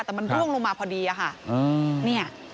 แต่มันร่วงลงมาพอดีอ่ะค่ะอืมเนี่ย